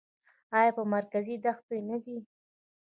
آیا په مرکز کې دښتې نه دي؟